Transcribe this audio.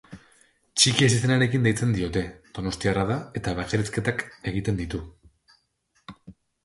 Txiki ezizenarekin deitzen diote, donostiarra da eta bakarrizketak egiten ditu.